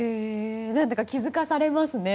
気づかされますね。